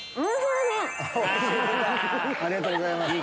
ありがとうございます。